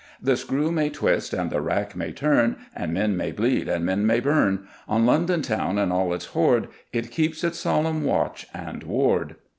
"The screw may twist and the rack may turn, And men may bleed and men may burn, On London town and all its hoard It keeps its solemn watch and ward!"